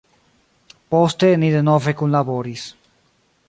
Poste ni denove kunlaboris.